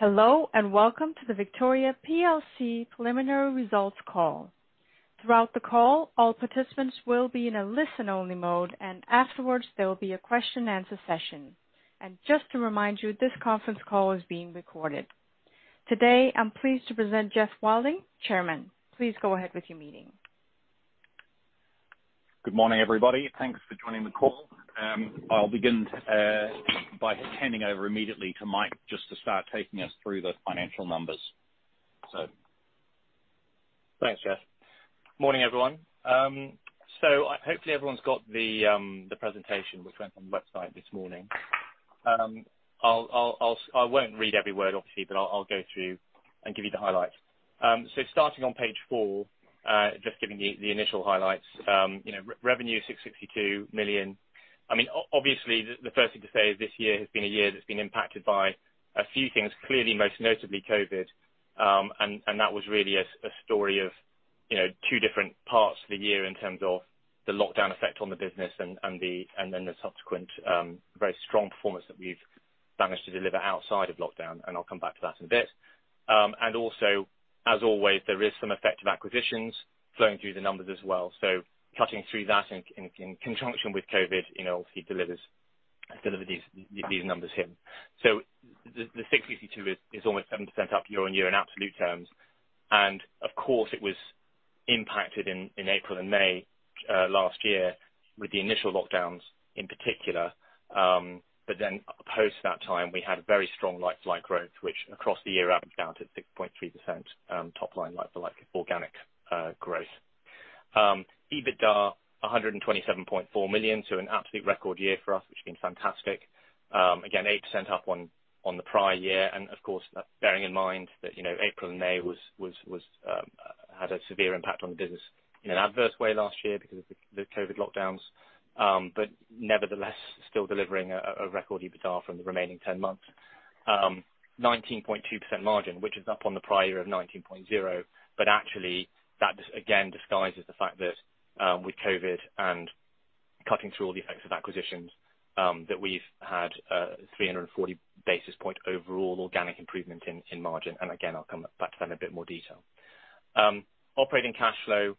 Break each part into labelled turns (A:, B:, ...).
A: Hello, and welcome to the Victoria PLC preliminary results call. Throughout the call, all participants will be in a listen-only mode, and afterwards, there will be a question and answer session. Just to remind you, this conference call is being recorded. Today, I'm pleased to present Geoff Wilding, Chairman. Please go ahead with your meeting.
B: Good morning, everybody. Thanks for joining the call. I'll begin by handing over immediately to Mike just to start taking us through the financial numbers.
C: Thanks, Geoff. Morning, everyone. Hopefully everyone's got the presentation which went on the website this morning. I won't read every word, obviously, I'll go through and give you the highlights. Starting on page four, just giving you the initial highlights. Revenue 662 million. Obviously, the first thing to say is this year has been a year that's been impacted by a few things, clearly, most notably COVID. That was really a story of two different parts of the year in terms of the lockdown effect on the business, then the subsequent very strong performance that we've managed to deliver outside of lockdown, I'll come back to that in a bit. Also, as always, there is some effect of acquisitions flowing through the numbers as well. Cutting through that in conjunction with COVID, obviously delivered these numbers here. The 662 million is almost 7% up year-on-year in absolute terms. Of course, it was impacted in April and May last year with the initial lockdowns in particular. Post that time, we had very strong like-for-like growth, which across the year averaged out at 6.3% top-line like-for-like organic growth. EBITDA 127.4 million, an absolute record year for us, which has been fantastic. 8% up on the prior year, and of course, bearing in mind that April and May had a severe impact on the business in an adverse way last year because of the COVID lockdowns. Nevertheless, still delivering a record EBITDA from the remaining 10 months. 19.2% margin, which is up on the prior year of 19.0%, actually that, again, disguises the fact that with COVID and cutting through all the effects of acquisitions, that we've had 340 basis points overall organic improvement in margin. Again, I'll come back to that in a bit more detail. Operating cash flow,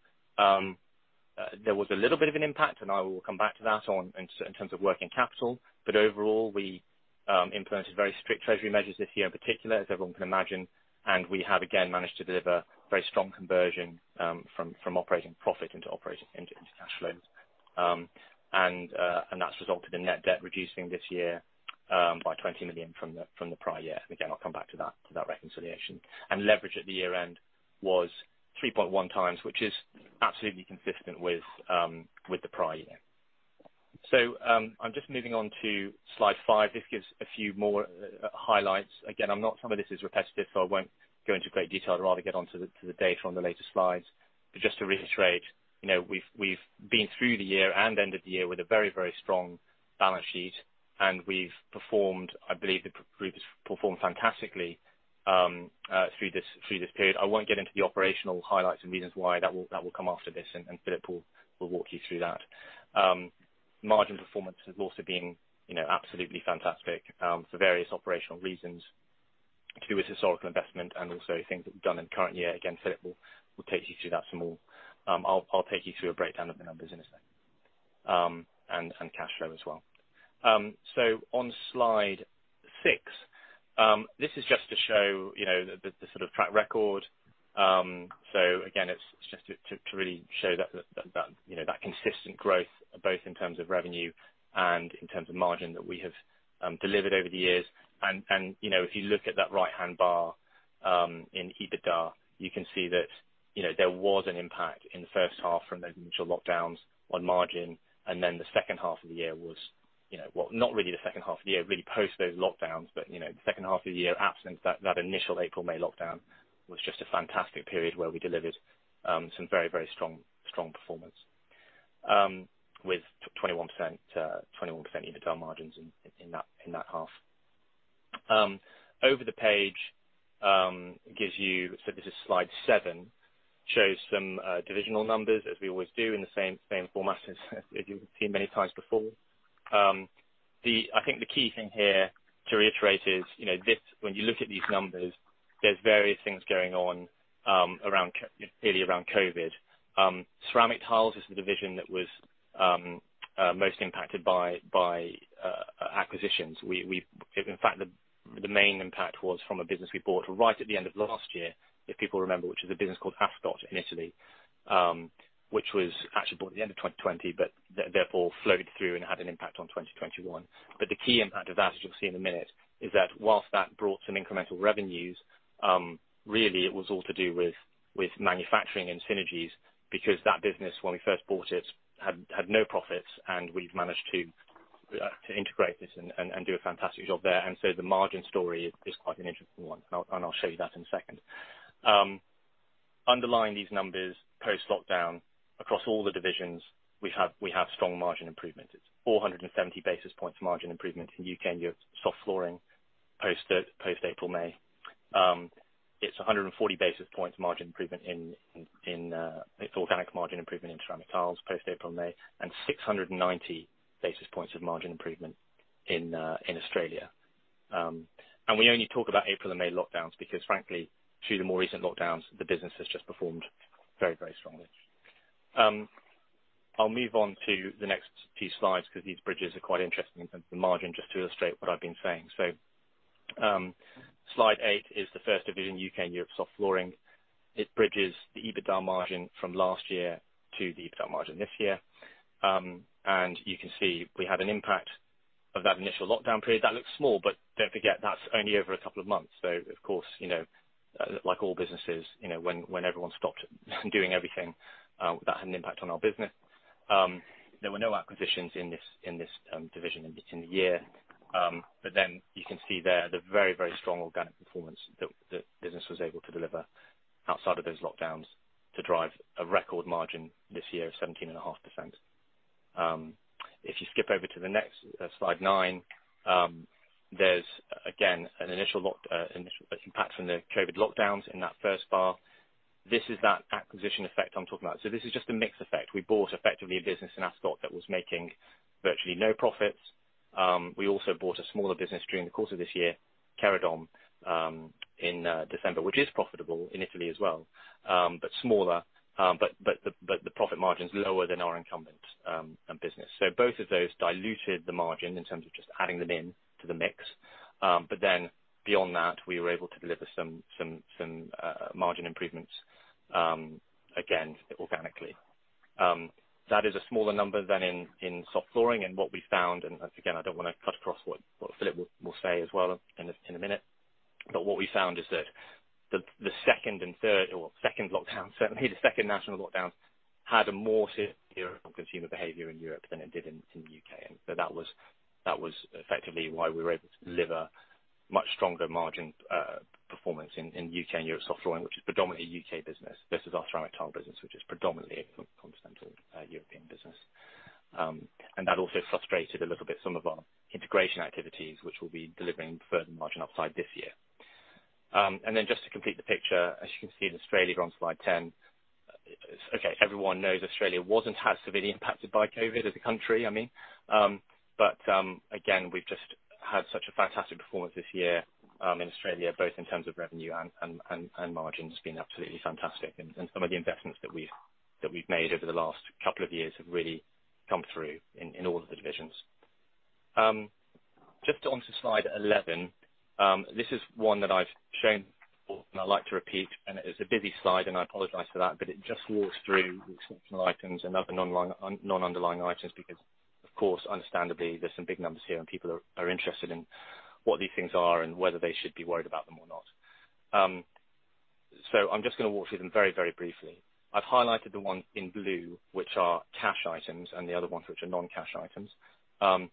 C: there was a little bit of an impact. I will come back to that in terms of working capital. Overall, we implemented very strict treasury measures this year in particular, as everyone can imagine, and we have again managed to deliver very strong conversion from operating profit into cash flows. That's resulted in net debt reducing this year by 20 million from the prior year. Again, I'll come back to that reconciliation. Leverage at the year-end was 3.1x, which is absolutely consistent with the prior year. I'm just moving on to slide five. This gives a few more highlights. Again, some of this is repetitive, so I won't go into great detail. I'd rather get onto the data on the later slides. Just to reiterate, we've been through the year and ended the year with a very strong balance sheet, and we've performed, I believe the group has performed fantastically through this period. I won't get into the operational highlights and reasons why. That will come after this, and Philippe will walk you through that. Margin performance has also been absolutely fantastic for various operational reasons through a historical investment and also things that we've done in the current year. Again, Philippe will take you through that some more. I'll take you through a breakdown of the numbers in a second, and cash flow as well. On slide six, this is just to show the sort of track record. Again, it's just to really show that consistent growth, both in terms of revenue and in terms of margin that we have delivered over the years. If you look at that right-hand bar in EBITDA, you can see that there was an impact in the first half from those initial lockdowns on margin, and then the second half of the year was, you know, what not really a second half really post on lockdown but you know second half of the year absent that initial April, May lockdown was just a fantastic period where we delivered some very strong performance with 21% EBITDA margins in that half. Over the page, this is slide seven, shows some divisional numbers as we always do in the same format as you've seen many times before. I think the key thing here to reiterate is when you look at these numbers, there's various things going on really around COVID. Ceramic Tiles is the division that was most impacted by acquisitions. In fact, the main impact was from a business we bought right at the end of last year. If people remember, which is a business called Keradom in Italy which was actually bought at the end of 2020, but therefore flowed through and had an impact on 2021. The key impact of that, as you'll see in a minute, is that whilst that brought some incremental revenues, really it was all to do with manufacturing and synergies, because that business, when we first bought it, had no profits and we've managed to integrate this and do a fantastic job there. The margin story is quite an interesting one, and I'll show you that in a second. Underlying these numbers, post-lockdown, across all the divisions, we have strong margin improvements. It's 470 basis points margin improvement in U.K. and Europe Soft Flooring post April, May. It's 140 basis points margin improvement in Ceramic Tiles post-April and May, and 690 basis points of margin improvement in Australia. We only talk about April and May lockdowns because frankly, through the more recent lockdowns, the business has just performed very strongly. I'll move on to the next few slides because these bridges are quite interesting in terms of the margin, just to illustrate what I've been saying. Slide eight is the first division, U.K. and Europe Soft Flooring. It bridges the EBITDA margin from last year to the EBITDA margin this year. You can see we had an impact of that initial lockdown period. That looks small, don't forget, that's only over a couple of months. Of course, like all businesses, when everyone stopped doing everything, that had an impact on our business. There were no acquisitions in this division in between the year. You can see there the very strong organic performance that the business was able to deliver outside of those lockdowns to drive a record margin this year of 17.5%. If you skip over to the next, slide 9, there's again, an initial impact from the COVID lockdowns in that first bar. This is that acquisition effect I'm talking about. This is just a mix effect. We bought effectively a business in Ascot that was making virtually no profits. We also bought a smaller business during the course of this year, Keradom, in December, which is profitable in Italy as well, but smaller. The profit margin is lower than our incumbent business. Both of those diluted the margin in terms of just adding them in to the mix. Beyond that, we were able to deliver some margin improvements, again, organically. That is a smaller number than in soft flooring. What we found, and again, I don't want to cut across what Philippe will say as well in a minute, but what we found is that the second and third, or second lockdown, certainly the second national lockdown, had a more severe consumer behavior in Europe than it did in the U.K. That was effectively why we were able to deliver much stronger margin performance in U.K. and Europe Soft Flooring, which is predominantly a U.K. business. This is our Ceramic Tiles business, which is predominantly a continental European business. That also frustrated a little bit some of our integration activities, which we'll be delivering further margin upside this year. Just to complete the picture, as you can see in Australia, we're on slide 10. Okay, everyone knows Australia wasn't as severely impacted by COVID as a country. Again, we've just had such a fantastic performance this year in Australia, both in terms of revenue and margins. It's been absolutely fantastic. Some of the investments that we've made over the last couple of years have really come through in all of the divisions. Just onto slide 11. This is one that I've shown before, and I'd like to repeat, and it is a busy slide, and I apologize for that, but it just walks through the exceptional items and other non-underlying items because, of course, understandably, there's some big numbers here, and people are interested in what these things are and whether they should be worried about them or not. I'm just going to walk through them very briefly. I've highlighted the ones in blue, which are cash items, and the other ones which are non-cash items. The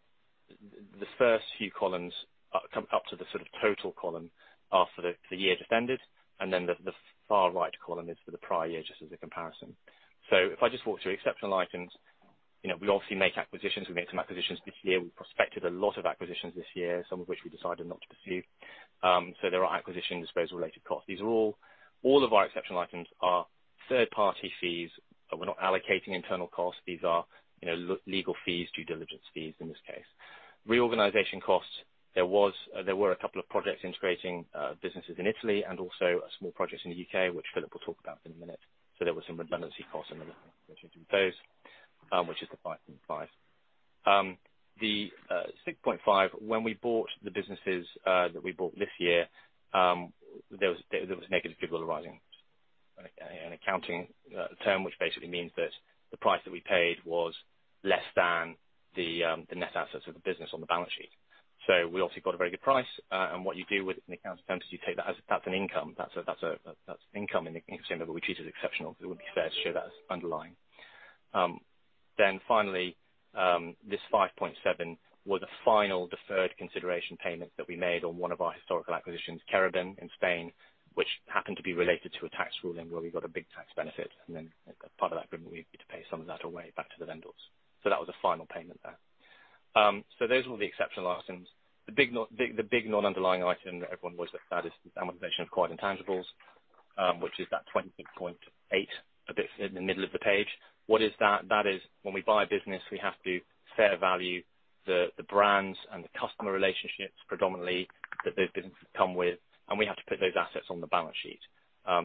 C: first few columns up to the total column are for the year just ended, and then the far right column is for the prior year, just as a comparison. If I just walk through exceptional items, we obviously make acquisitions. We made some acquisitions this year. We prospected a lot of acquisitions this year, some of which we decided not to pursue. There are acquisition disposal related costs. All of our exceptional items are third-party fees. We're not allocating internal costs. These are legal fees, due diligence fees in this case, reorganization costs. There were a couple of projects integrating businesses in Italy and also a small project in the U.K., which Philippe will talk about in a minute. There were some redundancy costs and other things imposed, which is the 5.5. The 6.5, when we bought the businesses that we bought this year, there was a negative goodwill arising. An accounting term, which basically means that the price that we paid was less than the net assets of the business on the balance sheet. We obviously got a very good price. What you do with it in accounting terms is you take that as an income. That's income, in which we treat as exceptional, because it wouldn't be fair to show that as underlying. Finally, this 5.7 was a final deferred consideration payment that we made on one of our historical acquisitions, Keraben in Spain, which happened to be related to a tax ruling where we got a big tax benefit, and part of that agreement, we had to pay some of that away back to the vendors. That was a final payment there. Those were the exceptional items. The big non-underlying item that everyone was afraid is the amortization of acquired intangibles, which is that 26.8 a bit in the middle of the page. What is that? That is when we buy a business, we have to fair value the brands and the customer relationships predominantly that those businesses come with, and we have to put those assets on the balance sheet.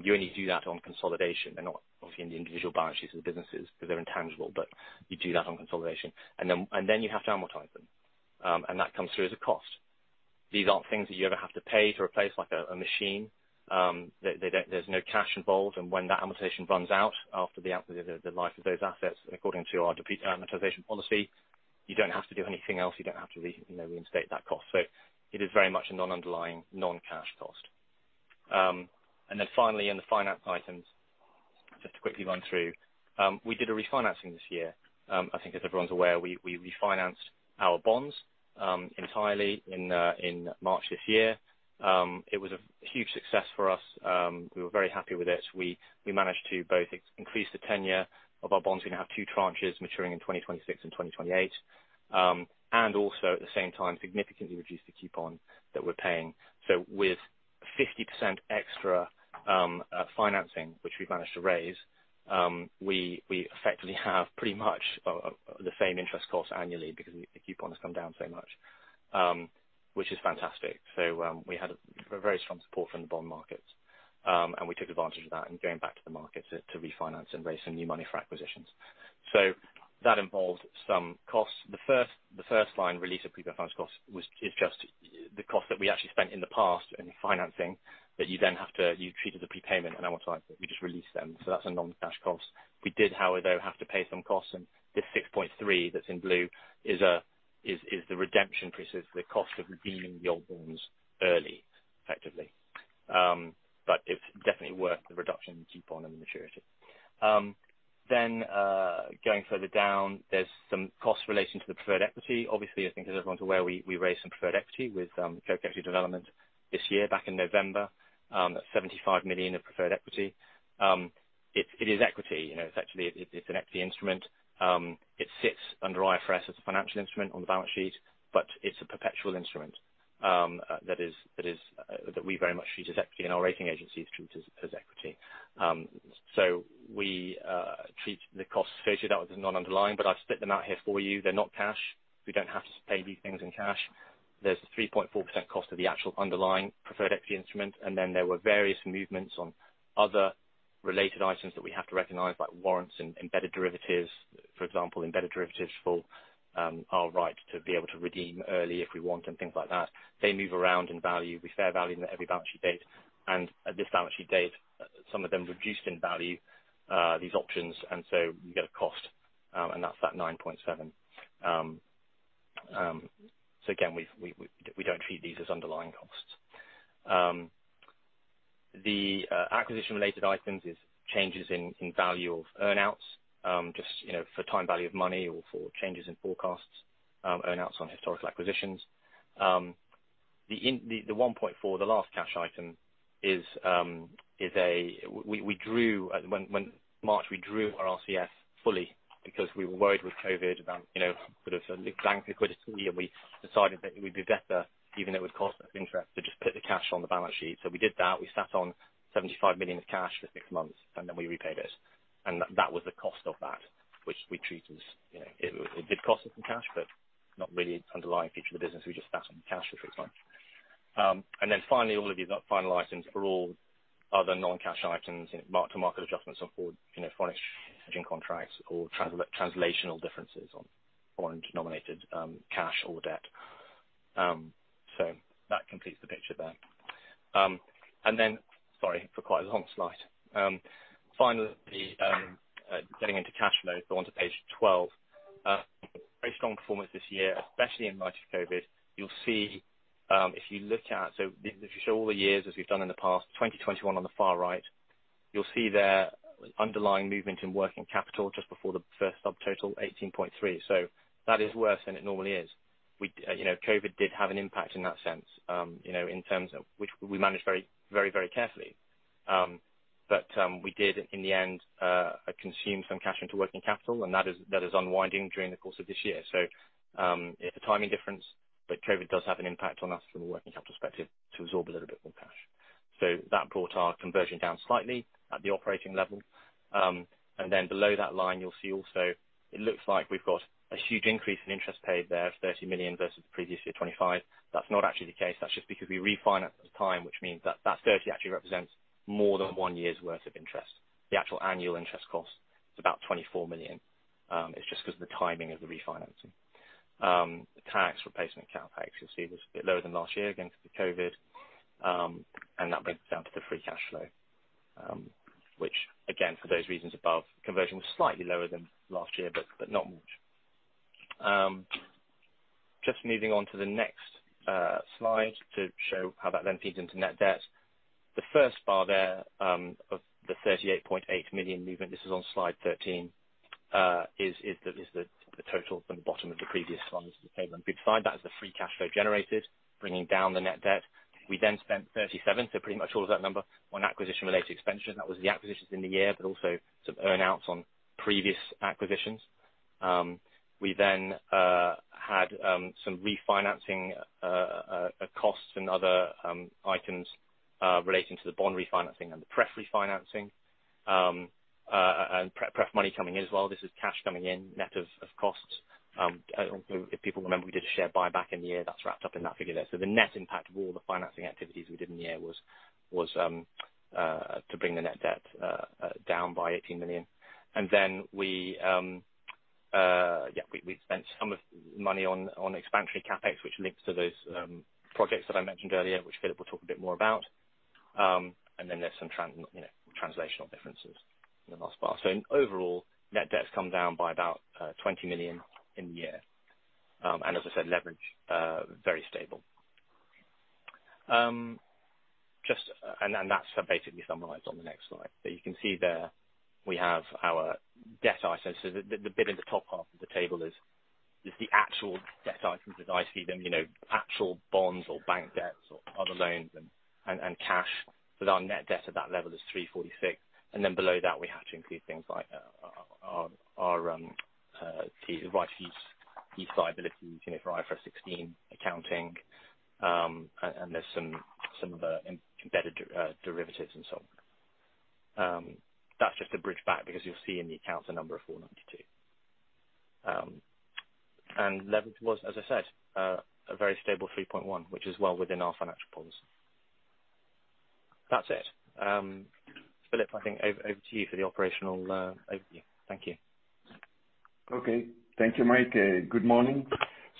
C: You only do that on consolidation. They're not obviously in the individual balance sheets of the businesses because they're intangible, but you do that on consolidation. Then you have to amortize them. That comes through as a cost. These aren't things that you ever have to pay to replace like a machine. There's no cash involved, and when that amortization runs out after the life of those assets, according to our amortization policy, you don't have to do anything else. You don't have to reinstate that cost. It is very much a non-underlying non-cash cost. Finally, in the finance items, just to quickly run through, we did a refinancing this year. I think as everyone's aware, we refinanced our bonds entirely in March this year. It was a huge success for us. We were very happy with it. We managed to both increase the tenure of our bonds. We now have two tranches maturing in 2026 and 2028. Also, at the same time, significantly reduced the coupon that we're paying. With 50% extra financing which we managed to raise. We effectively have pretty much the same interest cost annually because the coupon has come down so much, which is fantastic. We had very strong support from the bond markets, and we took advantage of that in going back to the market to refinance and raise some new money for acquisitions. That involved some costs. The first-line release of prepayment finance costs is just the cost that we actually spent in the past in financing that you then have to treat as a prepayment amount, time that we just released them. That's a non-cash cost. We did, however, have to pay some costs. The 6.3 that's in blue is the redemption prices for the cost of redeeming the old bonds early effectively. It's definitely worth the reduction in coupon and the maturity. Going further down, there's some cost relating to the preferred equity. Obviously, I think as everyone's aware, we raised some preferred equity with Koch Equity Development this year back in November, at 75 million of preferred equity. It is equity. It's actually an equity instrument. It sits under IFRS as a financial instrument on the balance sheet, but it's a perpetual instrument that we very much treat as equity, and our rating agencies treat as equity. We treat the cost associated with as non-underlying, but I've split them out here for you. They're not cash. We don't have to pay these things in cash. There's a 3.4% cost of the actual underlying preferred equity instrument, and then there were various movements on other related items that we have to recognize, like warrants and embedded derivatives. For example, embedded derivatives for our right to be able to redeem early if we want and things like that. They move around in value. We fair value them at every balance sheet date. At this balance sheet date, some of them reduced in value these options, and so you get a cost, and that's that 9.7. Again, we don't treat these as underlying costs. The acquisition related items is changes in value of earn-outs, just for time value of money or for changes in forecasts, earn-outs on historical acquisitions. The 1.4, the last cash item, when March, we drew our RCF fully because we were worried with COVID about sort of bank liquidity, and we decided that it would be better, even though it would cost us interest, to just put the cash on the balance sheet. We did that. We sat on 75 million of cash for six months, and then we repaid it. That was the cost of that, which we treat as. It did cost us some cash, but not really an underlying feature of the business. We just sat on the cash for six months. Then finally, all of these final items are all other non-cash items, mark to market adjustments for foreign exchange contracts or translational differences on foreign denominated cash or debt. That completes the picture there. Finally, getting into cash flow, on to page 12. Very strong performance this year, especially in light of COVID. You'll see, if you show all the years as we've done in the past, 2021 on the far right, you'll see there underlying movement in working capital just before the first subtotal, 18.3. That is worse than it normally is. COVID did have an impact in that sense which we managed very carefully. We did, in the end, consume some cash into working capital, and that is unwinding during the course of this year. It's a timing difference, but COVID does have an impact on us from a working capital perspective to absorb a little bit more cash. That brought our conversion down slightly at the operating level. Below that line, you'll see also it looks like we've got a huge increase in interest paid there of 30 million versus the previous year 25 million. That's not actually the case. That's just because we refinanced at the time, which means that that 30 million actually represents more than one year's worth of interest. The actual annual interest cost is about 24 million. It's just because of the timing of the refinancing. The tax replacement CapEx you'll see was a bit lower than last year against the COVID, and that breaks down to the free cash flow, which again, for those reasons above, conversion was slightly lower than last year, but not much. Moving on to the next slide to show how that then feeds into net debt. The first bar there of the 38.8 million movement, this is on slide 13, is the total from the bottom of the previous one. We provide that as the free cash flow generated, bringing down the net debt. We then spent 37, so pretty much all of that number on acquisition-related expenditure. That was the acquisitions in the year, but also some earn-outs on previous acquisitions. We then had some refinancing costs and other items relating to the bond refinancing and the pref refinancing, and pref money coming in as well. This is cash coming in net of cost. If people remember, we did a share buyback in the year. That's wrapped up in that figure there. The net impact of all the financing activities we did in the year was to bring the net debt down by 18 million. Then we spent some of money on expansionary CapEx, which links to those projects that I mentioned earlier, which Philippe will talk a bit more about. Then there's some translational differences in the last part. Overall, net debt has come down by about 20 million in the year. As I said, leverage, very stable. That's basically summarized on the next slide. You can see there we have our debt items. The bit in the top half of the table is the actual debt items as I see them, actual bonds or bank debts or other loans and cash. Our net debt at that level is 346, and then below that, we have to include things like our right-of-use lease liability for IFRS 16 accounting. There's some of the embedded derivatives and so on. That's just to bridge back because you'll see in the accounts a number of 492. Leverage was, as I said, a very stable 3.1x, which is well within our financial policy. That's it. Philippe, I think over to you for the operational overview. Thank you.
D: Okay. Thank you, Mike. Good morning.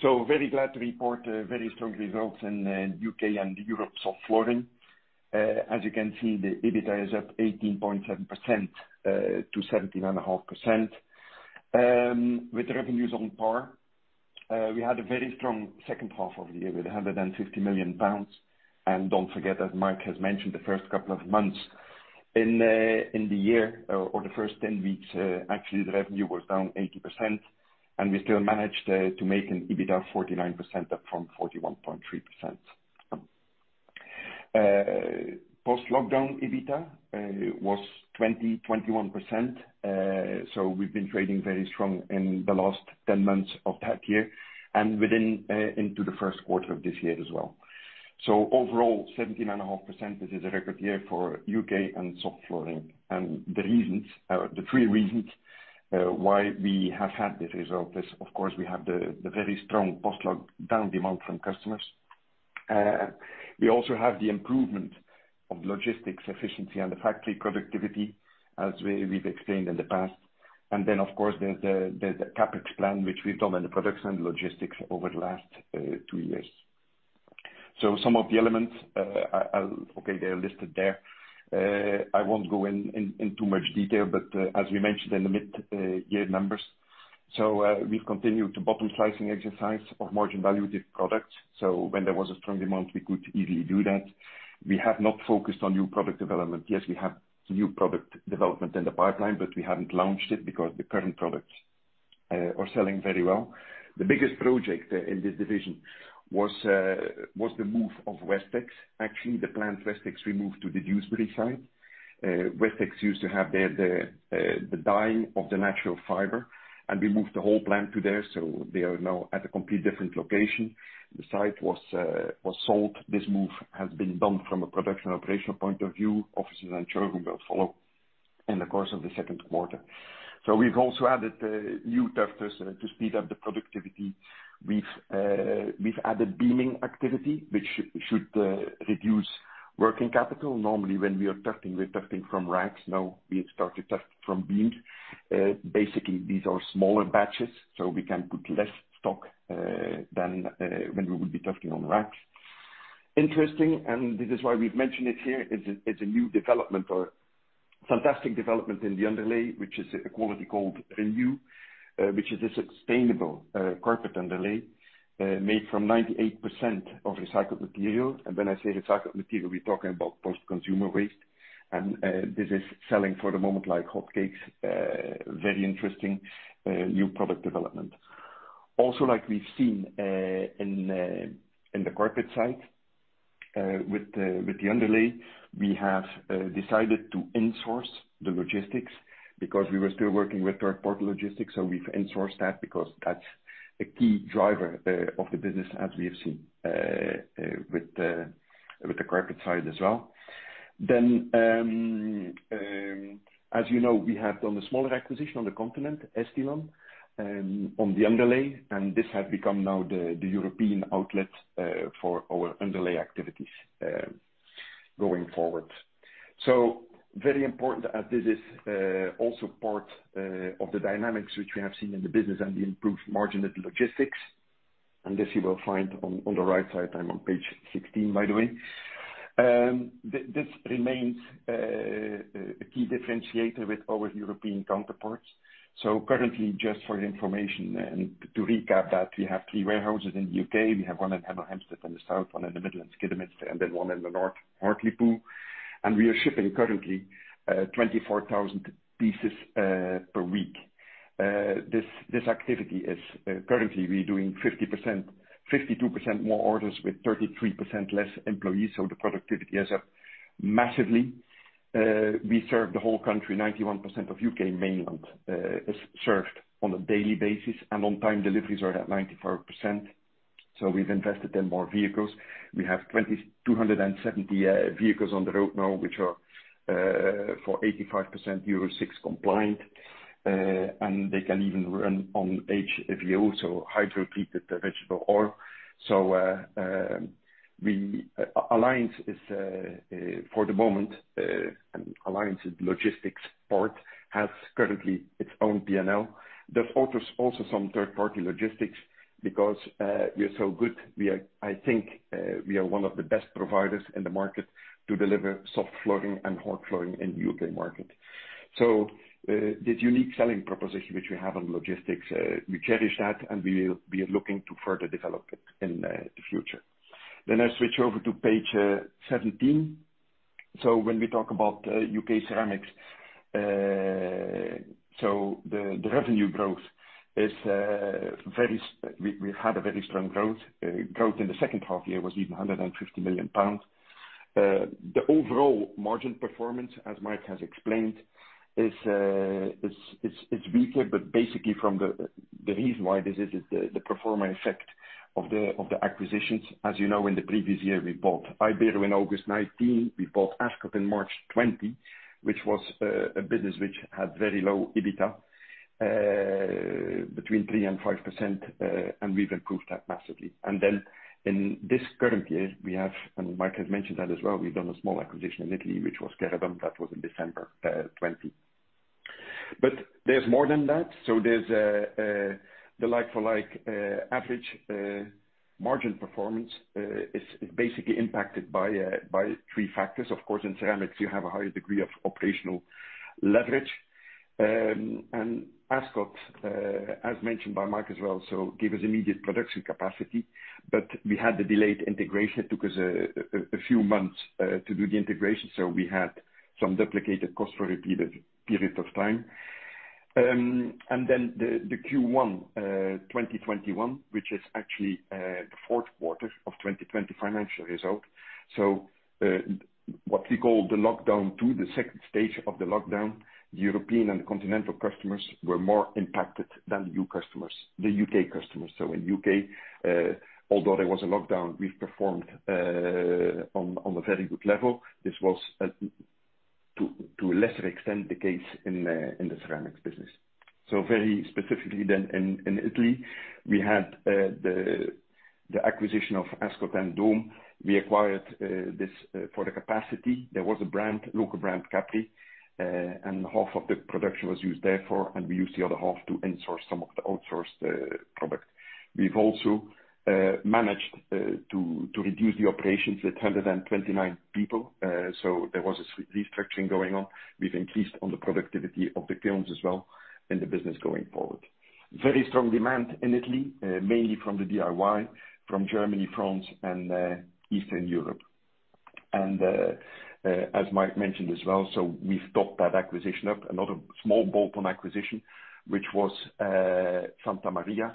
D: Very glad to report very strong results in U.K. and Europe Soft Flooring. As you can see, the EBITDA is up 18.7% to 17.5% with revenues on par. We had a very strong second half of the year with 150 million pounds. Don't forget, as Mike has mentioned, the first couple of months in the year or the first 10 weeks, actually, the revenue was down 80%, and we still managed to make an EBITDA 49% up from 41.3%. Post-lockdown EBITDA was 20%, 21%, we've been trading very strong in the last 10 months of that year and into the first quarter of this year as well. Overall, 17.5%, this is a record year for U.K. and Soft Flooring. The three reasons why we have had this result is, of course, we have the very strong post-lockdown demand from customers. We also have the improvement of logistics efficiency and the factory productivity, as we've explained in the past. Then, of course, there's the CapEx plan, which we've done in the production logistics over the last two years. Some of the elements are listed there. I won't go in too much detail, but as we mentioned in the mid-year numbers. We've continued to bottom slicing exercise of margin-valuated products. When there was a strong demand, we could easily do that. We have not focused on new product development. Yes, we have new product development in the pipeline, but we haven't launched it because the current products are selling very well. The biggest project in this division was the move of Westex. Actually, the plant Westex we moved to the Dewsbury site. Westex used to have the dyeing of the natural fiber, and we moved the whole plant there, so they are now at a completely different location. The site was sold. This move has been done from a production operational point of view. Offices and showroom will follow in the course of the second quarter. We've also added new tufters to speed up the productivity. We've added beaming activity, which should reduce working capital. Normally, when we are tufting, we're tufting from racks. Now we have started tufting from beams. Basically, these are smaller batches, so we can put less stock than when we would be tufting on racks. Interesting, and this is why we've mentioned it here, it's a new development or fantastic development in the underlay, which is a quality called Renew, which is a sustainable carpet underlay made from 98% of recycled material. When I say recycled material, we're talking about post-consumer waste. This is selling for the moment like hotcakes. Very interesting new product development. Like we've seen in the carpet side with the underlay, we have decided to insource the logistics because we were still working with third-party logistics. We've insourced that because that's a key driver of the business as we have seen with the carpet side as well. As you know, we have done a smaller acquisition on the continent, Estillon, on the underlay, and this has become now the European outlet for our underlay activities going forward. Very important as this is also part of the dynamics which we have seen in the business and the improved margin at logistics. This you will find on the right side. I'm on page 16, by the way. This remains a key differentiator with our European counterparts. Currently, just for your information and to recap that, we have three warehouses in the U.K. We have one in Hemel Hempstead in the south, one in the Midlands, Kidderminster, and then one in the north, Hartlepool. We are shipping currently 24,000 pieces per week. This activity is currently we're doing 52% more orders with 33% less employees, so the productivity is up massively. We serve the whole country, 91% of U.K. mainland is served on a daily basis, and on-time deliveries are at 94%, so we've invested in more vehicles. We have 270 vehicles on the road now, which are for 85% Euro six compliant, and they can even run on HVO, so hydrotreated vegetable oil. Alliance, for the moment, Alliance Logistics port has currently its own P&L. The port is also some third-party logistics because we are so good. I think we are one of the best providers in the market to deliver soft flooring and hard flooring in U.K. market. This unique selling proposition, which we have on logistics, we cherish that, and we are looking to further develop it in the future. I switch over to page 17. When we talk about U.K. Ceramics. The revenue growth, we've had a very strong growth. Growth in the second half year was even 150 million pounds. The overall margin performance, as Mike has explained, is weaker but basically the reason why this is the pro forma effect of the acquisitions. As you know, in the previous year, we bought Ibero in August 2019. We bought Ascot in March 2020, which was a business which had very low EBITDA, between 3%-5%, we've improved that massively. In this current year, we have, Mike has mentioned that as well, we've done a small acquisition in Italy, which was Keraben. That was in December 2020. There's more than that. There's the like-for-like average margin performance is basically impacted by 3 factors. Of course, in ceramics, you have a higher degree of operational leverage. Ascot, as mentioned by Mike as well, gave us immediate production capacity, but we had the delayed integration. It took us a few months to do the integration. We had some duplicated cost for a period of time. The Q1 2021, which is actually the fourth quarter of 2020 financial result. What we call the lockdown two, the second stage of the lockdown, European and continental customers were more impacted than new customers, the U.K. customers. In the U.K., although there was a lockdown, we've performed on a very good level. This was to a lesser extent the case in the Ceramic Tiles business. Very specifically in Italy, we had the acquisition of Ascot and Dom. We acquired this for the capacity. There was a local brand, Capri, and half of the production was used therefore, and we used the other half to in-source some of the outsourced product. We've also managed to reduce the operations with 129 people. There was a restructuring going on. We've increased on the productivity of the kilns as well in the business going forward. Very strong demand in Italy, mainly from the DIY from Germany, France, and Eastern Europe. As Mike mentioned as well, we've topped that acquisition up. Another small bolt-on acquisition, which was Santa Maria.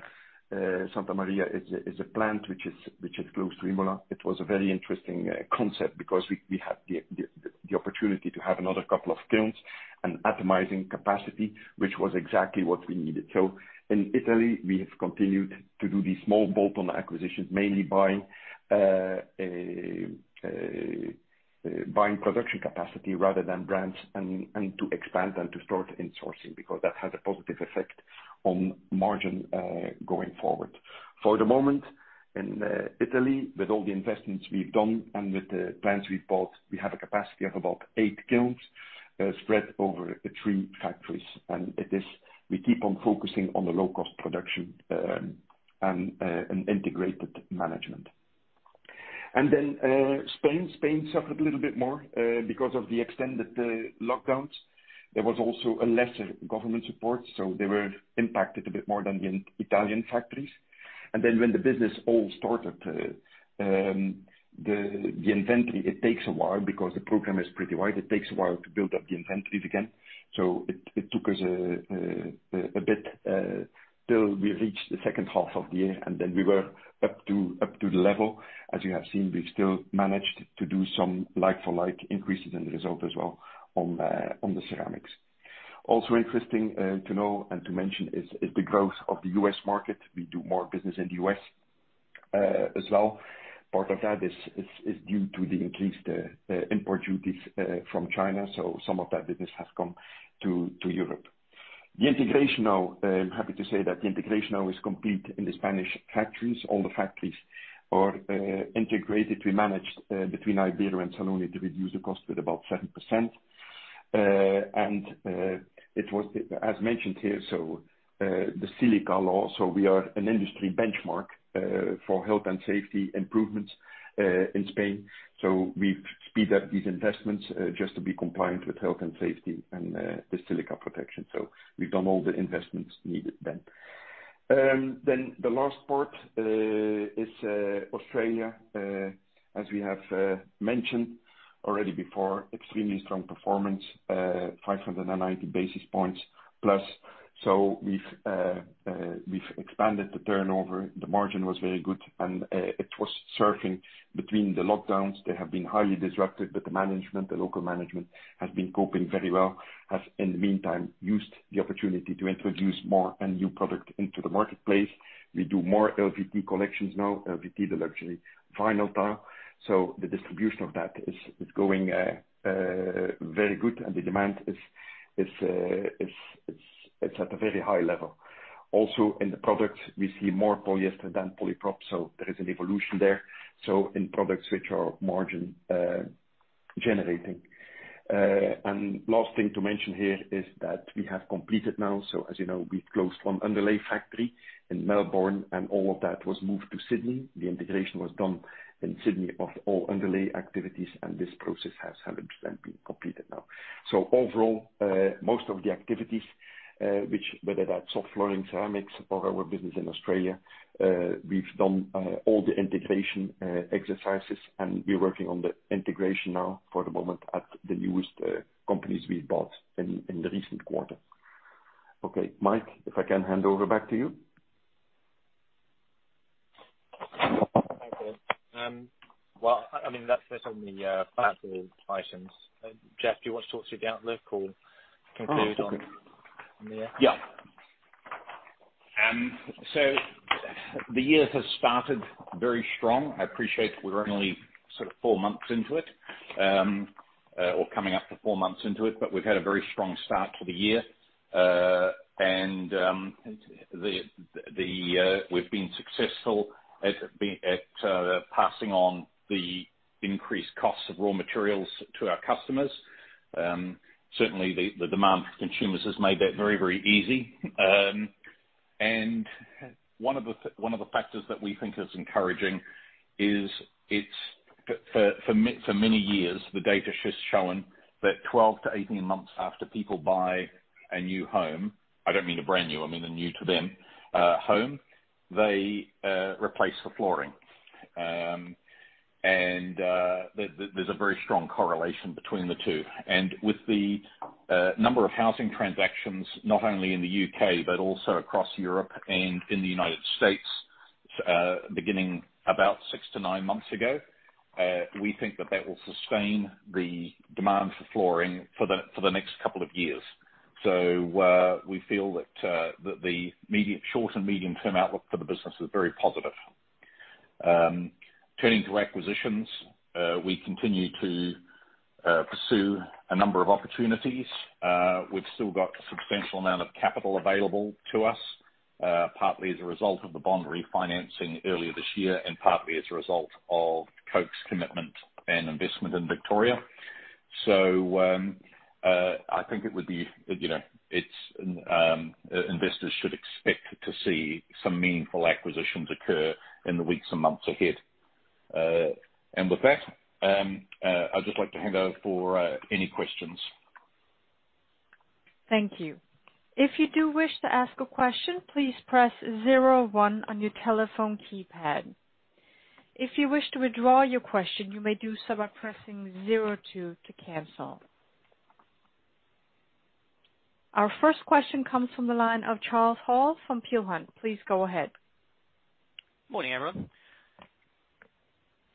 D: Santa Maria is a plant which is close to Imola. It was a very interesting concept because we had the opportunity to have another couple of kilns and atomizing capacity, which was exactly what we needed. In Italy, we have continued to do these small bolt-on acquisitions, mainly buying production capacity rather than brands, and to expand and to start in-sourcing because that has a positive effect on margin going forward. For the moment in Italy, with all the investments we've done and with the plants we've bought, we have a capacity of about eight kilns spread over three factories. We keep on focusing on the low-cost production and integrated management. Spain. Spain suffered a little bit more because of the extended lockdowns. There was also a lesser government support, so they were impacted a bit more than the Italian factories. When the business all started, the inventory, it takes a while because the program is pretty wide. It takes a while to build up the inventory again. It took us a bit till we reached the second half of the year, and then we were up to the level. As you have seen, we've still managed to do some like-for-like increases in the result as well on the ceramics. Also interesting to know and to mention is the growth of the U.S. market. We do more business in the U.S. as well. Part of that is due to the increased import duties from China. Some of that business has come to Europe. I'm happy to say that the integration now is complete in the Spanish factories. All the factories are integrated. We managed between Ibero and Saloni to reduce the cost with about 7%. As mentioned here, the silica law. We are an industry benchmark for health and safety improvements in Spain. We've sped up these investments just to be compliant with health and safety and the silica protection. We've done all the investments needed then. The last part is Australia. As we have mentioned already before, extremely strong performance, 590 basis points plus. We've expanded the turnover. The margin was very good, and it was surfing between the lockdowns. They have been highly disrupted, but the management, the local management, has been coping very well. The management has in the meantime, used the opportunity to introduce more and new product into the marketplace. We do more LVT collections now, LVT, the luxury vinyl tile. The distribution of that is going very good, and the demand is at a very high level. Also in the product, we see more polyester than polyprop, so there is an evolution there in products which are margin generating. Last thing to mention here is that we have completed now, so as you know, we've closed one underlay factory in Melbourne, and all of that was moved to Sydney. The integration was done in Sydney of all underlay activities, and this process has 100% been completed now. Overall, most of the activities, whether that's soft flooring, ceramics or our business in Australia, we've done all the integration exercises, and we're working on the integration now for the moment at the newest companies we've bought in the recent quarter. Okay, Mike, if I can hand over back to you.
C: Thank you. That's on the financial items. Geoff, do you want to talk to the outlook or conclude on there?
B: Yeah. The year has started very strong. I appreciate we're only four months into it, or coming up to four months into it, but we've had a very strong start to the year. We've been successful at passing on the increased costs of raw materials to our customers. Certainly, the demand from consumers has made that very easy. One of the factors that we think is encouraging is, for many years, the data has shown that 12-18 months after people buy a new home, I don't mean a brand new, I mean a new to them home, they replace the flooring. There's a very strong correlation between the two. With the number of housing transactions, not only in the U.K., but also across Europe and in the U.S., beginning about six to nine months ago, we think that that will sustain the demand for flooring for the next couple of years. We feel that the short and medium-term outlook for the business is very positive. Turning to acquisitions, we continue to pursue a number of opportunities. We've still got a substantial amount of capital available to us, partly as a result of the bond refinancing earlier this year, and partly as a result of Koch's commitment and investment in Victoria. I think investors should expect to see some meaningful acquisitions occur in the weeks and months ahead. With that, I'd just like to hand over for any questions.
A: Thank you. If you do wish to ask a question, please press zero one on your telephone keypad. If you wish to withdraw your question you may do select pressing zero two to cancel. Our first question comes from the line of Charles Hall from Peel Hunt. Please go ahead.
E: Morning, everyone.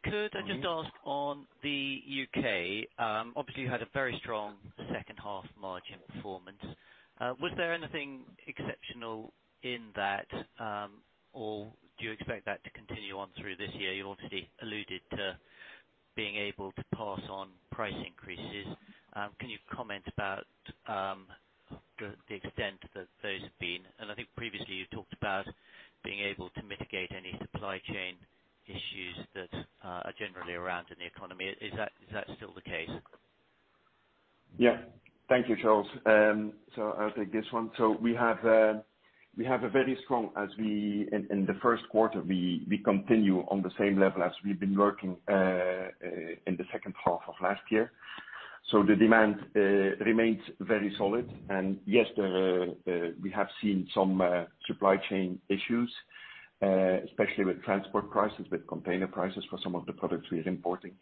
E: Could I just ask on the U.K., obviously you had a very strong second half margin performance? Was there anything exceptional in that, or do you expect that to continue on through this year? You obviously alluded to being able to pass on price increases. Can you comment about the extent that those have been? I think previously you talked about being able to mitigate any supply chain issues that are generally around in the economy. Is that still the case?
D: Yeah. Thank you, Charles. I'll take this one. We have a very strong, in the first quarter, we continue on the same level as we've been working in the second half of last year. The demand remains very solid. Yes, we have seen some supply chain issues, especially with transport prices, with container prices for some of the products we are importing.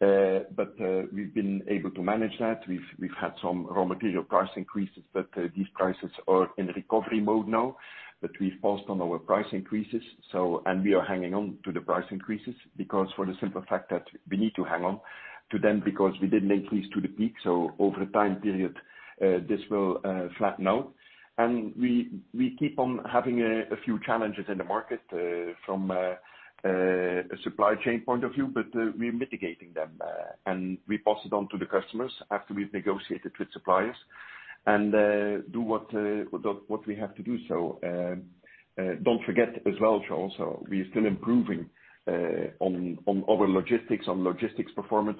D: We've been able to manage that. We've had some raw material price increases, but these prices are in recovery mode now, but we've passed on our price increases. We are hanging on to the price increases because for the simple fact that we need to hang on to them because we didn't increase to the peak. Over a time period, this will flatten out. We keep on having a few challenges in the market from a supply chain point of view, but we're mitigating them. We pass it on to the customers after we've negotiated with suppliers and do what we have to do. Don't forget as well, Charles, we are still improving on our logistics, on logistics performance.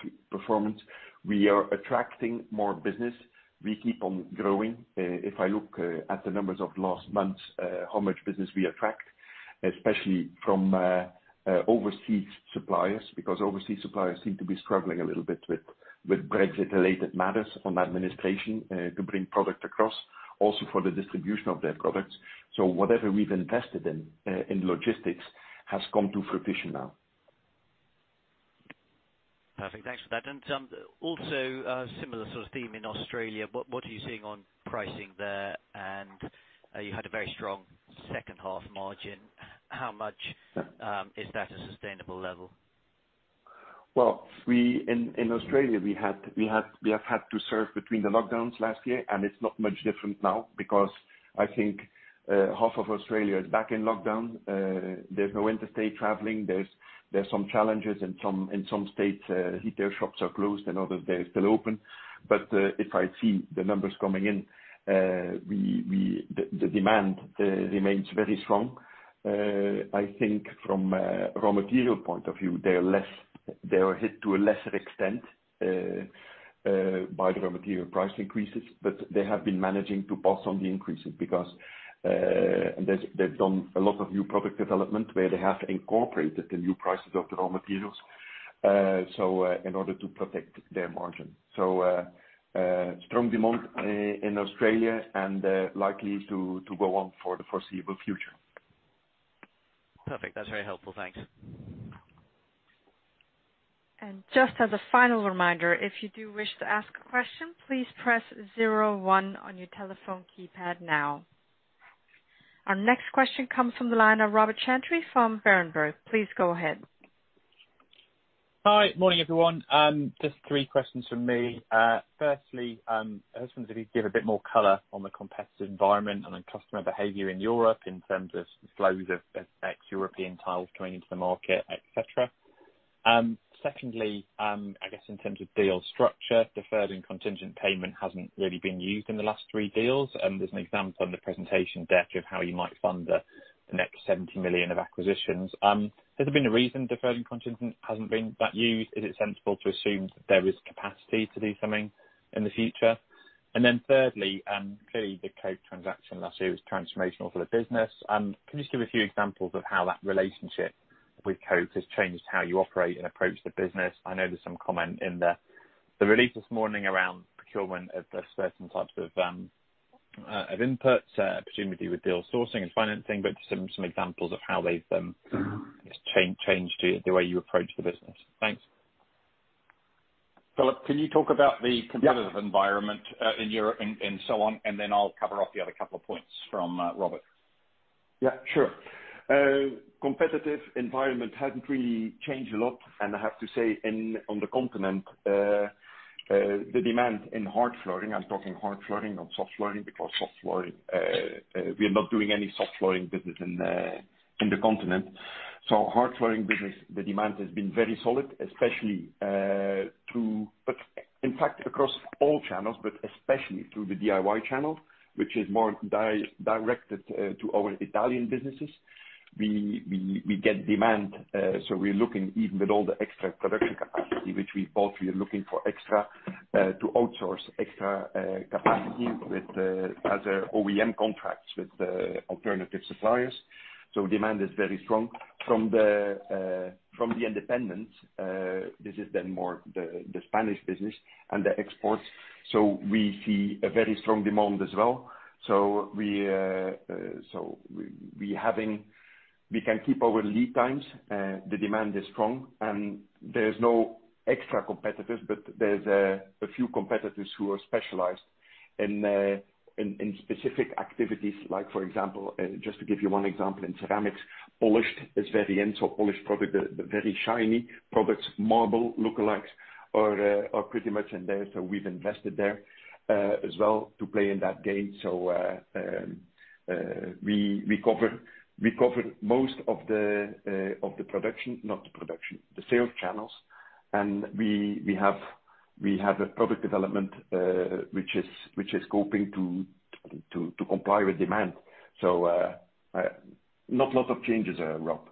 D: We are attracting more business. We keep on growing. If I look at the numbers of last month, how much business we attract, especially from overseas suppliers, because overseas suppliers seem to be struggling a little bit with Brexit-related matters on administration to bring product across, also for the distribution of their products. Whatever we've invested in logistics, has come to fruition now.
E: Perfect. Thanks for that. Also a similar theme in Australia, what are you seeing on pricing there? You had a very strong second half margin. How much is that a sustainable level?
D: Well, in Australia, we have had to surf between the lockdowns last year, and it's not much different now because I think half of Australia is back in lockdown. There's no interstate traveling. There's some challenges in some states, retail shops are closed and others they're still open. If I see the numbers coming in, the demand remains very strong. I think from a raw material point of view, they were hit to a lesser extent by the raw material price increases, but they have been managing to pass on the increases because they've done a lot of new product development where they have incorporated the new prices of the raw materials, so in order to protect their margin. Strong demand in Australia and likely to go on for the foreseeable future.
E: Perfect. That's very helpful. Thanks.
A: Just as a final reminder, if you do wish to ask a question, please press zero one on your telephone keypad now. Our next question comes from the line of Robert Chantry from Berenberg. Please go ahead.
F: Hi. Morning, everyone. Just three questions from me. Firstly, I just wonder if you could give a bit more color on the competitive environment and on customer behavior in Europe in terms of flows of ex-European tiles coming into the market, et cetera. Secondly, I guess in terms of deal structure, deferred and contingent payment hasn't really been used in the last three deals, and there's an example on the presentation deck of how you might fund the next 70 million of acquisitions. Has there been a reason deferred and contingent hasn't been that used? Is it sensible to assume that there is capacity to do something in the future? Thirdly, clearly the Koch transaction last year was transformational for the business. Can you just give a few examples of how that relationship with Koch has changed how you operate and approach the business? I know there's some comment in the release this morning around procurement of certain types of inputs, presumably with deal sourcing and financing. Just some examples of how they've changed the way you approach the business. Thanks.
B: Philippe, can you talk about?
D: Yeah
B: Competitive environment, in Europe and so on, I'll cover off the other couple of points from Robert.
D: Yeah, sure. Competitive environment hasn't really changed a lot. I have to say on the continent, the demand in hard flooring, I'm talking hard flooring, not soft flooring, because soft flooring, we are not doing any soft flooring business in the continent. Hard flooring business, the demand has been very solid, especially across all channels, but especially through the DIY channel, which is more directed to our Italian businesses. We get demand, we're looking even with all the extra production capacity which we bought, we are looking for extra to outsource extra capacity with other OEM contracts with alternative suppliers. Demand is very strong. From the independent, this is then more the Spanish business and the exports. We see a very strong demand as well. We can keep our lead times. The demand is strong and there's no extra competitors, but there's a few competitors who are specialized in specific activities like, for example, just to give you one example, in ceramics, polished is very in. Polished product, the very shiny products, marble lookalikes are pretty much in there. We've invested there, as well to play in that game. We cover most of the production, not the production, the sales channels. We have a product development, which is scoping to comply with demand. Not lot of changes there, Rob.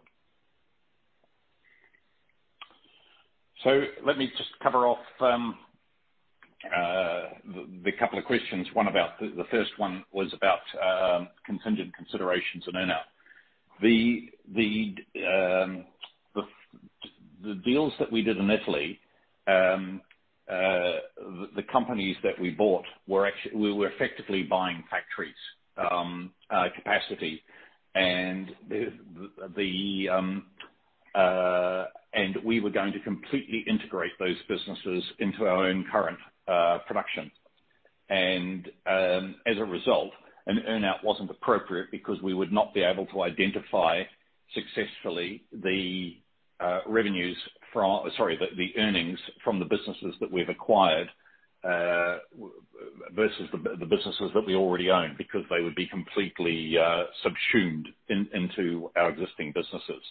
B: Let me just cover off the couple of questions. The first one was about contingent considerations and earn-out. The deals that we did in Italy, the companies that we bought were actually, we were effectively buying factories, capacity. We were going to completely integrate those businesses into our own current production. As a result, an earn-out wasn't appropriate because we would not be able to identify successfully the revenues from, sorry, the earnings from the businesses that we've acquired versus the businesses that we already own, because they would be completely subsumed into our existing businesses.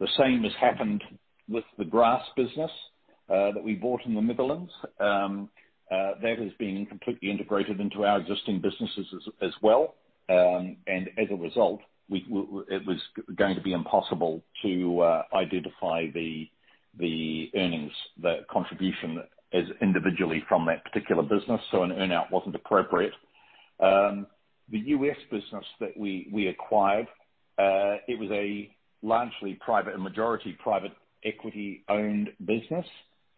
B: The same has happened with the grass business that we bought in the Netherlands. That has been completely integrated into our existing businesses as well. As a result, it was going to be impossible to identify the earnings, the contribution as individually from that particular business. An earn-out wasn't appropriate. The U.S. business that we acquired, it was a largely private and majority private equity-owned business,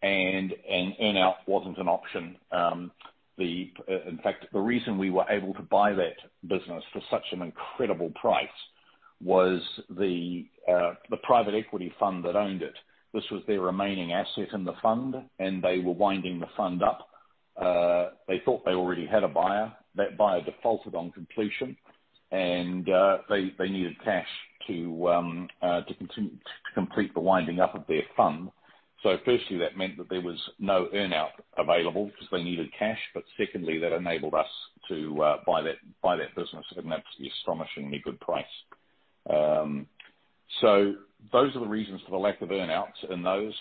B: and an earn-out wasn't an option. The reason we were able to buy that business for such an incredible price was the private equity fund that owned it. This was their remaining asset in the fund, and they were winding the fund up. They thought they already had a buyer. That buyer defaulted on completion, and they needed cash to complete the winding up of their fund. Firstly, that meant that there was no earn-out available because they needed cash. Secondly, that enabled us to buy that business at an absolutely astonishingly good price. Those are the reasons for the lack of earn-outs in those.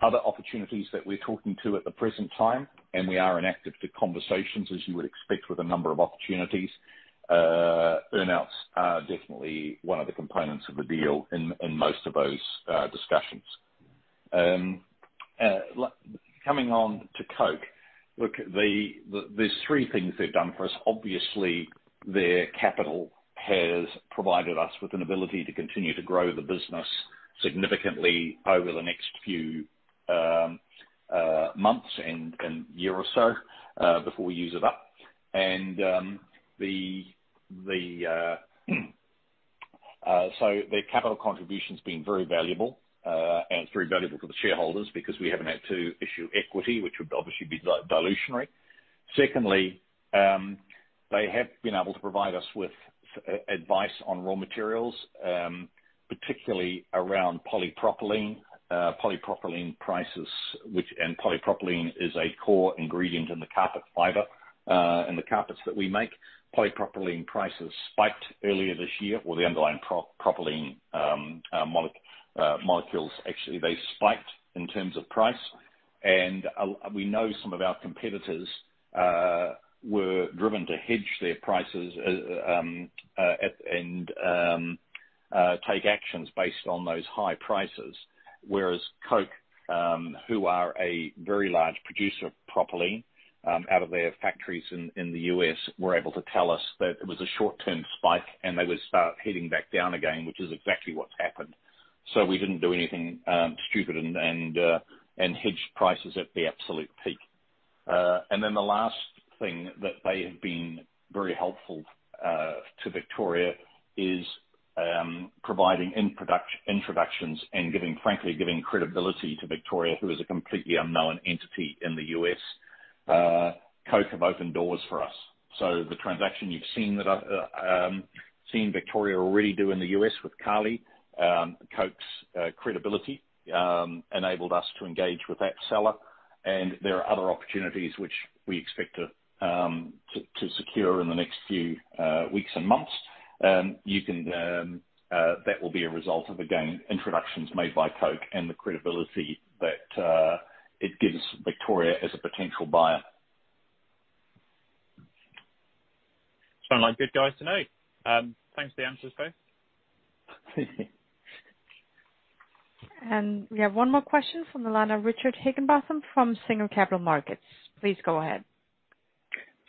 B: Other opportunities that we're talking to at the present time, and we are in active conversations, as you would expect with a number of opportunities, earn-outs are definitely one of the components of the deal in most of those discussions. Coming on to Koch. Look, there's three things they've done for us. Obviously, their capital has provided us with an ability to continue to grow the business significantly over the next few months and year or so before we use it up. The capital contribution has been very valuable, and it's very valuable for the shareholders because we haven't had to issue equity, which would obviously be dilutionary. Secondly, they have been able to provide us with advice on raw materials, particularly around polypropylene. Polypropylene prices, and polypropylene is a core ingredient in the carpet fiber and the carpets that we make. Polypropylene prices spiked earlier this year or the underlying propylene molecules actually they spiked in terms of price. We know one of our competitors were driven to hedge their prices and take actions based on those high prices. Whereas Koch, who are a very large producer of propylene out of their factories in the U.S., were able to tell us that it was a short-term spike, and they would start heading back down again, which is exactly what's happened. We didn't do anything stupid and hedged prices at the absolute peak. The last thing that they have been very helpful to Victoria is providing introductions and frankly giving credibility to Victoria, who is a completely unknown entity in the U.S. Koch have opened doors for us. The transaction you've seen Victoria already do in the U.S. with CALI. Koch's credibility enabled us to engage with that seller, and there are other opportunities which we expect to secure in the next few weeks and months. That will be a result of, again, introductions made by Koch and the credibility that it gives Victoria as a potential buyer.
F: Sound like good guys to know. Thanks for the answers, both.
A: we have one more question from the line of Richard Hickinbotham from Singer Capital Markets. Please go ahead.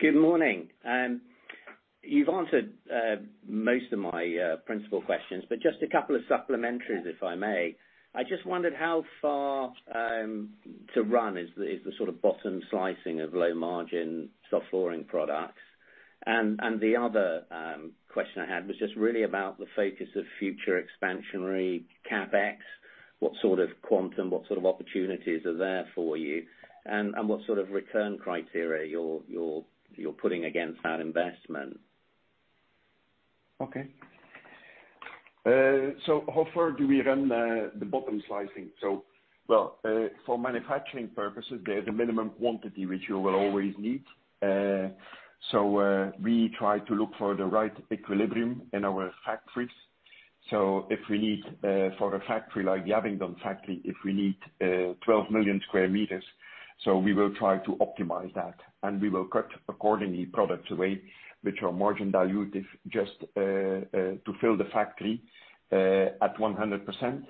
G: Good morning. You've answered most of my principal questions, just a couple of supplementaries, if I may. I just wondered how far to run is the sort of bottom slicing of low-margin soft flooring products. The other question I had was just really about the focus of future expansionary CapEx, what sort of quantum, what sort of opportunities are there for you, and what sort of return criteria you're putting against that investment?
D: Okay. How far do we run the bottom slicing? For manufacturing purposes, there's a minimum quantity which you will always need. We try to look for the right equilibrium in our factories. If we need for a factory like the Abingdon factory, if we need 12 million square meters, we will try to optimize that, and we will cut accordingly products away which are margin dilutive just to fill the factory at 100%,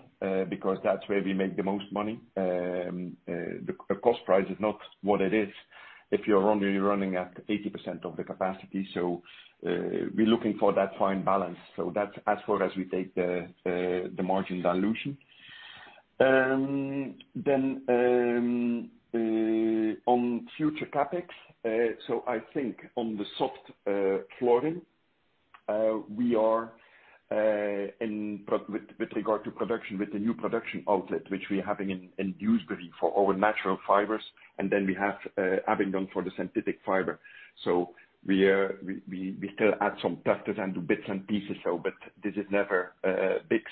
D: because that's where we make the most money. The cost price is not what it is if you're only running at 80% of the capacity. We're looking for that fine balance. That's as far as we take the margin dilution. On future CapEx, I think on the soft flooring, with regard to production, with the new production outlet, which we're having in Dewsbury for our natural fibers, and we have Abingdon for the synthetic fiber. We still add some clusters and do bits and pieces, but this is never big.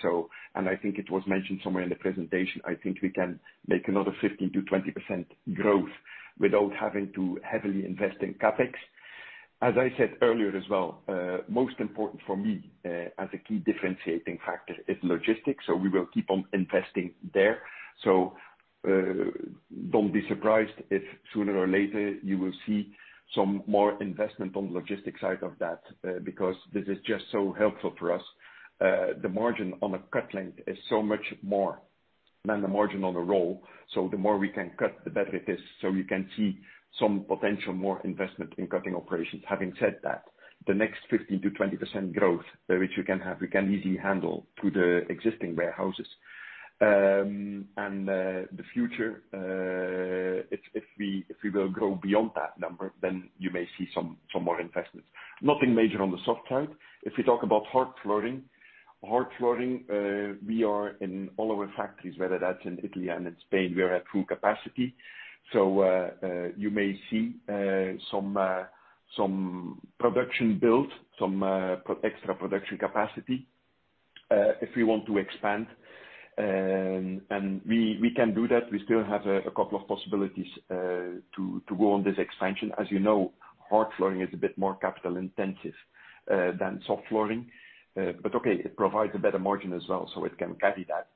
D: I think it was mentioned somewhere in the presentation, I think we can make another 15%-20% growth without having to heavily invest in CapEx. As I said earlier as well, most important for me as a key differentiating factor is logistics. We will keep on investing there. Don't be surprised if sooner or later you will see some more investment on the logistics side of that, because this is just so helpful for us. The margin on a cut length is so much more than the margin on a roll. The more we can cut, the better it is. You can see some potential more investment in cutting operations. Having said that, the next 15%-20% growth which we can easily handle through the existing warehouses. The future, if we will go beyond that number, then you may see some more investments. Nothing major on the soft side. If we talk about hard flooring. Hard flooring, we are in all our factories, whether that's in Italy and in Spain, we are at full capacity. You may see some production built, some extra production capacity if we want to expand. We can do that. We still have a couple of possibilities to go on this expansion. As you know, hard flooring is a bit more capital intensive than soft flooring. Okay, it provides a better margin as well, so it can carry that.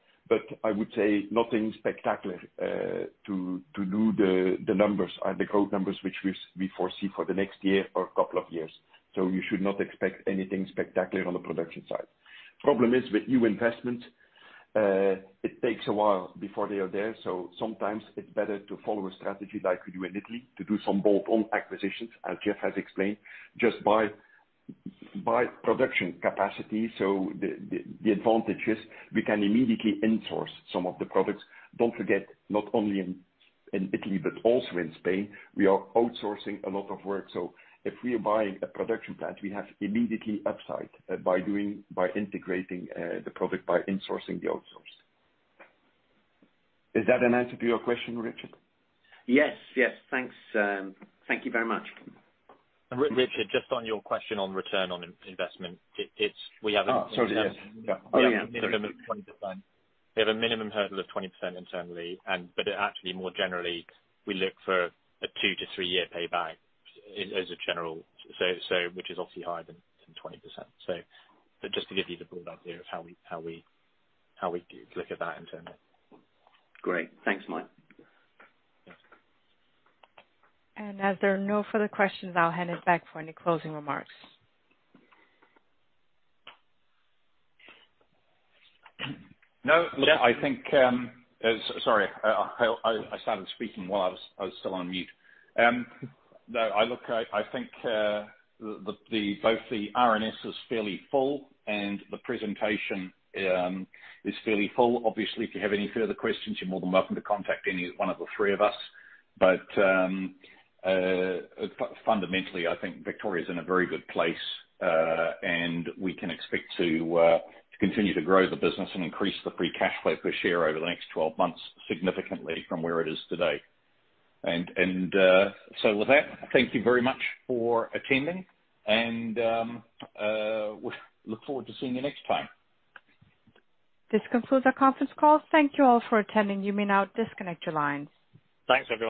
D: I would say nothing spectacular to do the numbers and the growth numbers which we foresee for the next year or a couple of years. You should not expect anything spectacular on the production side. Problem is with new investment, it takes a while before they are there. Sometimes it's better to follow a strategy like we do in Italy to do some bolt-on acquisitions, as Geoff has explained. By production capacity. The advantage is we can immediately in-source some of the products. Don't forget, not only in Italy but also in Spain, we are outsourcing a lot of work. If we are buying a production plant, we have immediately upside by integrating the product, by insourcing the outsource. Is that an answer to your question, Richard?
G: Yes, yes. Thanks. Thank you very much.
C: Richard, just on your question on return on investment.
B: Oh, sorry, yes.
C: We have a minimum of 20%. We have a minimum hurdle of 20% internally. Actually, more generally, we look for a two to three year payback as a general, which is obviously higher than 20%. Just to give you the broad idea of how we look at that internally.
G: Great. Thanks, Mike.
C: Yes.
A: As there are no further questions, I'll hand it back for any closing remarks.
B: No, look, I think, sorry, I started speaking while I was still on mute. I think both the RNS is fairly full, and the presentation is fairly full. Obviously, if you have any further questions, you're more than welcome to contact any one of the three of us. Fundamentally, I think Victoria is in a very good place, and we can expect to continue to grow the business and increase the free cash flow per share over the next 12 months significantly from where it is today. With that, thank you very much for attending, and we look forward to seeing you next time.
A: This concludes our conference call. Thank you all for attending. You may now disconnect your lines.
B: Thanks, everyone.